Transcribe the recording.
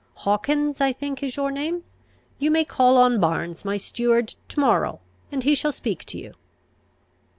Hawkins, I think, is your name? You may call on Barnes, my steward, to morrow, and he shall speak to you."